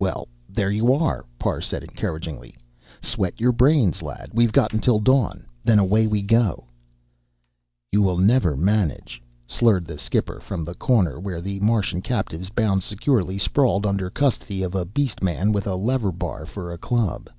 "Well, there you are," Parr said encouragingly. "Sweat your brains, lad. We've got until dawn. Then away we go." "You will never manage," slurred the skipper from the corner where the Martian captives, bound securely, sprawled under custody of a beast man with a lever bar for a club.